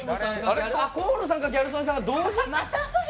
河野さんとギャル曽根さんが同時に。